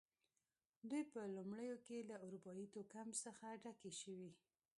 دوی په لومړیو کې له اروپايي توکم څخه ډکې شوې.